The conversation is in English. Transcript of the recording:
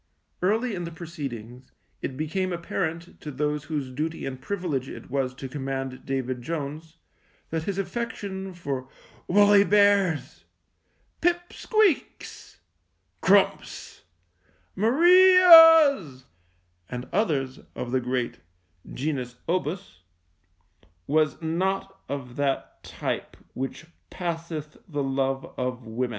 Early in the proceedings it became apparent to those whose duty and privilege it was to command David Jones that his affection for woolly bears, pip squeaks, crumps, Marias, and others of the great genus obus was not of that type which passeth the love of women.